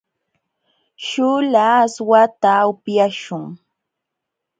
śhuula aswakta upyaśhun.